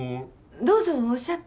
どうぞおっしゃって。